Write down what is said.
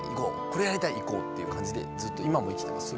これやりたい行こう！っていう感じでずっと今も生きてます。